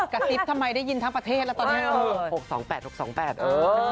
กระทิบทำไมได้ยินทั้งประเทศแล้วตอนนี้